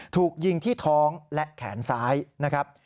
ถูกยิงที่ท้องและแขนซ้ายนะครับ